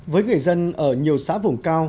với người dân ở nhiều xã vùng cao